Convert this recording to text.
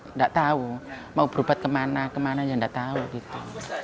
enggak tahu mau berubat kemana kemana enggak tahu